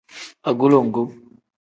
Agulongu.